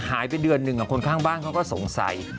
หายไปเดือนหนึ่งคนข้างบ้านเขาก็สงสัย